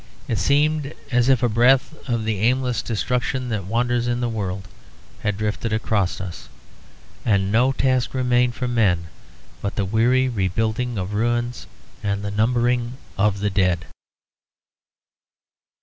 It seemed as if a breath of the aimless destruction that wanders in the world had drifted across us; and no task remained for men but the weary rebuilding of ruins and the numbering of the dead.